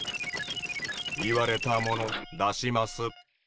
言われたもの出します。